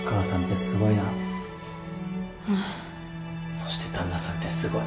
そして旦那さんってすごい。